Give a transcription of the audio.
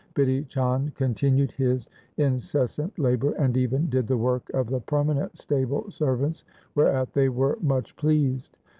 Bidhi Chand continued his incessant labour and even did the work of the permanent stable ser vants, whereat they were much pleased.